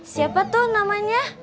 siapa tuh namanya